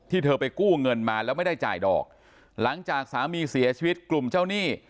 เธอไปกู้เงินมาแล้วไม่ได้จ่ายดอกหลังจากสามีเสียชีวิตกลุ่มเจ้าหนี้